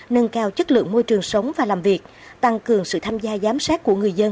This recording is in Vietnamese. nâng cao chất lượng môi trường sống và làm việc tăng cường sự tham gia giám sát của người dân